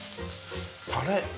あれ？